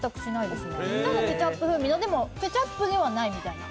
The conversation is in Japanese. でも、ケチャップ風味の、でも、ケチャップじゃないみたいな。